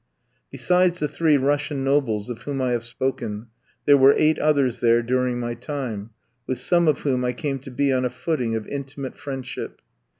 Besides the three Russian nobles of whom I have spoken, there were eight others there during my time; with some of whom I came to be on a footing of intimate friendship.